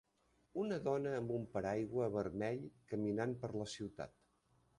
Una dona amb un paraigua vermell caminant per la ciutat.